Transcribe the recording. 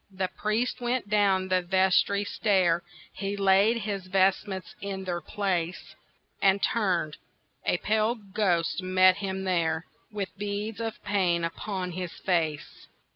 The priest went down the vestry stair, He laid his vestments in their place, And turned—a pale ghost met him there, With beads of pain upon his face.